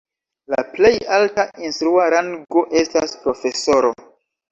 La plej alta instrua rango estas profesoro.